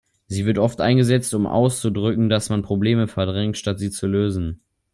Sie wird oft eingesetzt, um auszudrücken, dass man Probleme verdrängt, statt sie zu lösen.